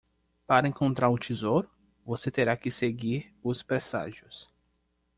Para encontrar o tesouro? você terá que seguir os presságios.